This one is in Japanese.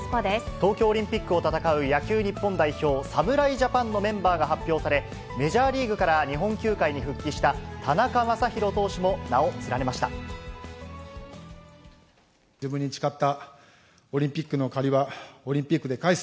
東京オリンピックを戦う野球日本代表、侍ジャパンのメンバーが発表され、メジャーリーグから日本球界に復帰した田中将大投手も名を連ねま自分に誓ったオリンピックの借りは、オリンピックで返す。